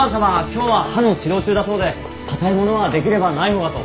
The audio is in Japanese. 今日は歯の治療中だそうでかたいものはできればない方がと。